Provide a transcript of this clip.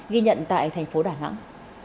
ghi nhận tại tp đà nẵng